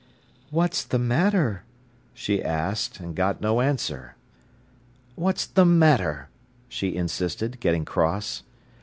"What's the matter?" she asked, and got no answer. "What's the matter?" she insisted, getting cross.